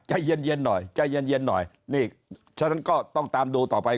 ใจเย็นหน่อยใจเย็นหน่อยนี่ฉะนั้นก็ต้องตามดูต่อไป